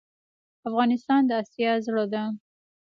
افغانستان د اسیا زړه ده